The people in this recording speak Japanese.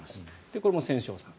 これも千正さん。